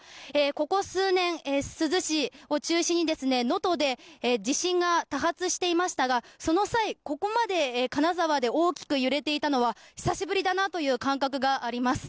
ここ数年、珠洲市を中心に能登で地震が多発していましたがその際、ここまで金沢で大きく揺れていたのは久しぶりだなという感覚があります。